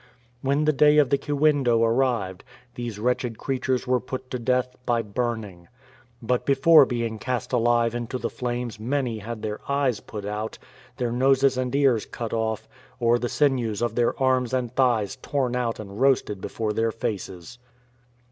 When the day of the Idwendo aiTived, these wretched creatures were put to death by burning. But before being cast alive into the flames many had their eyes put out, their noses and ears cut off, or the sinews of their arms and thighs torn out and roasted before their faces.